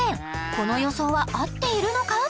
この予想は合っているのか？